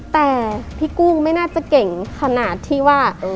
แต่พี่กุ้งไม่น่าจะเก่งขนาดที่ว่า